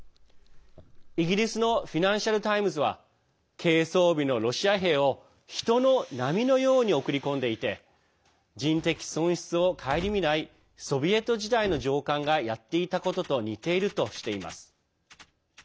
イギリスのフィナンシャル・タイムズは軽装備のロシア兵を人の波のように送り込んでいて人的損失を顧みないソビエト時代の上官がやっていたことと似ているとしています。